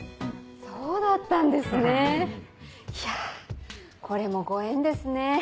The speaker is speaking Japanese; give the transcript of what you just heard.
そうだったんですねいやこれもご縁ですね。